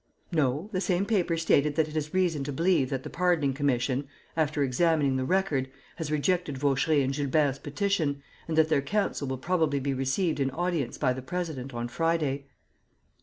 "No. The same paper stated that it has reason to believe that the pardoning commission, after examining the record, has rejected Vaucheray and Gilbert's petition and that their counsel will probably be received in audience by the president on Friday."